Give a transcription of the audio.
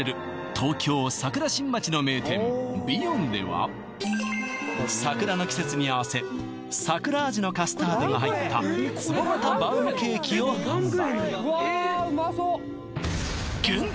東京桜新町の名店ヴィヨンでは桜の季節に合わせ桜味のカスタードが入った壺型バウムケーキを販売